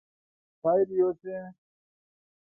خير يوسې!